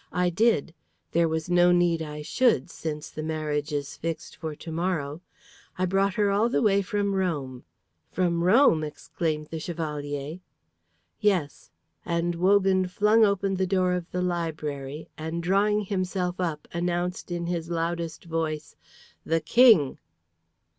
I did; there was no need I should, since the marriage is fixed for to morrow. I brought her all the way from Rome." "From Rome?" exclaimed the Chevalier. "Yes;" and Wogan flung open the door of the library, and drawing himself up announced in his loudest voice, "The King!"